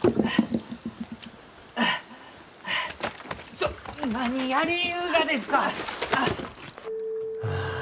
ちょ何やりゆうがですか！？